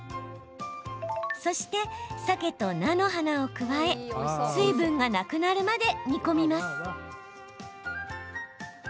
そして、さけと菜の花を加え水分がなくなるまで煮込みます。